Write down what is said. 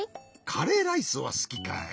カレーライスはすきかい？